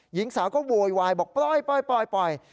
หญิงสาวก็โวยวายบอกปล่อยปล่อยปล่อยปล่อย